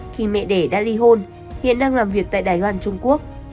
khi mẹ đẻ đã ly hôn hiện đang làm việc tại đài loan trung quốc